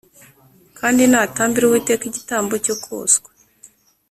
Kandi natambira Uwiteka igitambo cyo koswa